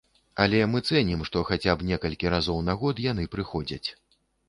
Але мы цэнім, што хаця б некалькі разоў на год яны прыходзяць.